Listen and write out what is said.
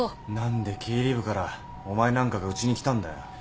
何で経理部からお前なんかがうちに来たんだよ。